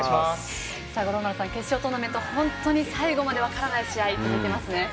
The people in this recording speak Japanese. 五郎丸さん、決勝トーナメントは最後まで分からない試合が続いていますね。